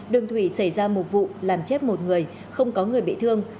đường thủy xảy ra một vụ làm chết một người không có người bị thương